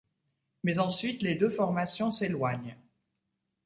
Mais ensuite les deux formations s'éloignent.